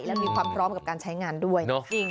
และมีความพร้อมกับการใช้งานด้วย